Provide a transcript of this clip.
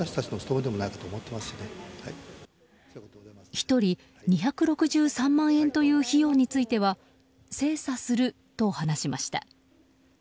１人２６３万円という費用については精査すると話しました。